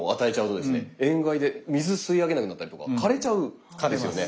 塩害で水吸い上げなくなったりとか枯れちゃうですよね。